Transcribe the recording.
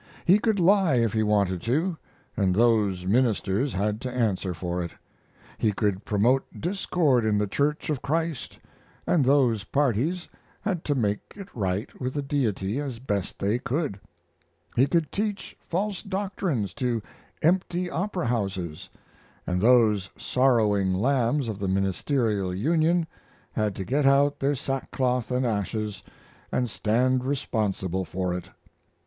He could lie if he wanted to, and those ministers had to answer for it; he could promote discord in the church of Christ, and those parties had to make it right with the Deity as best they could; he could teach false doctrines to empty opera houses, and those sorrowing lambs of the Ministerial Union had to get out their sackcloth and ashes and stand responsible for it.